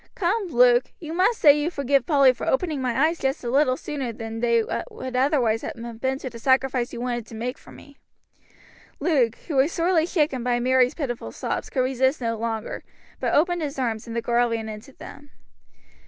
Come, Luke, you must say you forgive Polly for opening my eyes just a little sooner than they would otherwise have been to the sacrifice you wanted to make for me." Luke, who was sorely shaken by Mary's pitiful sobs, could resist no longer, but opened his arms, and the girl ran into them.